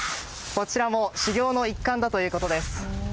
こちらも修行の一環だということです。